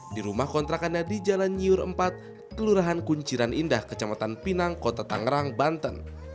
di rumah kontrakannya di jalan nyiur empat kelurahan kunciran indah kecamatan pinang kota tangerang banten